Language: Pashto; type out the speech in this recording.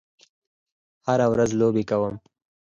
هره ورځ لوبې کوم